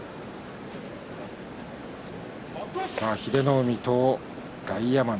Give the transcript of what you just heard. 英乃海という大奄美。